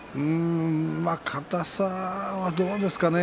硬さはどうですかね。